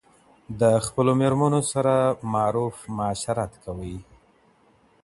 د خپلو ميرمنو سره معروف معاشرت کوئ.